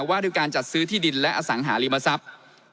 ว่าด้วยการจัดซื้อที่ดินและอสังหาริมทรัพย์